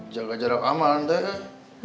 jaga jarak aman teh